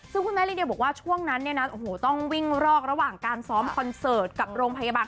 ซึ่งคุณแม่ลิเดียบอกว่าช่วงนั้นเนี่ยนะโอ้โหต้องวิ่งรอกระหว่างการซ้อมคอนเสิร์ตกับโรงพยาบาล